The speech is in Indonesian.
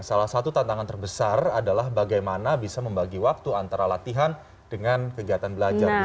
salah satu tantangan terbesar adalah bagaimana bisa membagi waktu antara latihan dengan kegiatan belajar di sekolah